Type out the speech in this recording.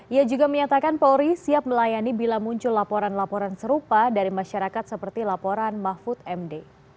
ia juga menyatakan polri siap melayani bila muncul laporan laporan serupa dari masyarakat seperti laporan mahfud md